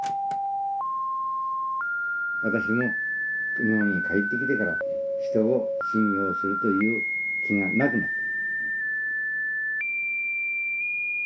「私も日本に帰ってきてから人を信用するという気がなくなった」。